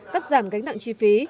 cắt giảm gánh nặng chi phí